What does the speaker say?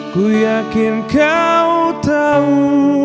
ku yakin kau tahu